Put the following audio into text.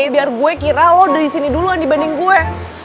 biar gue kira lo dari sini duluan dibanding gue